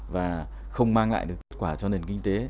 và không mang lại được kết quả cho nền kinh tế